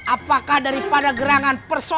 apakah daripada gerangan persoal